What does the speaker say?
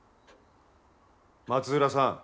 松浦さん